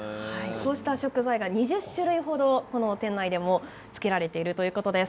こうした食材が２０種類程店内で漬けられているということです。